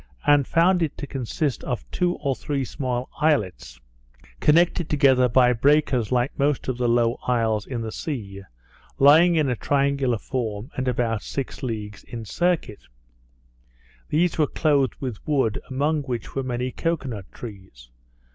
and found it to consist of two or three small islets, connected together by breakers like most of the low isles in the sea, lying in a triangular form, and about six leagues in circuit. They were clothed with wood, among which were many cocoa nut trees.